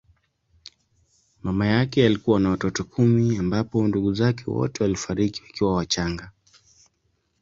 Mama yake alikuwa na watoto kumi ambapo ndugu zake wote walifariki wakiwa wachanga.